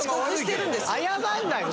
謝んないの？